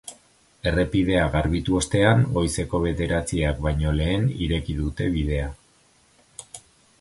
Errepidea garbitu ostean, goizeko bederatziak baino lehen ireki dute bidea.